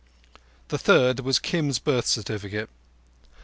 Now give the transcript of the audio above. The third was Kim's birth certificate.